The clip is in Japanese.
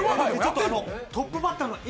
トップバッターの笑